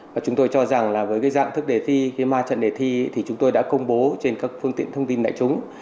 và chúng tôi cho rằng là với cái dạng thức đề thi khi ma trận đề thi thì chúng tôi đã công bố trên các phương tiện thông tin đại chúng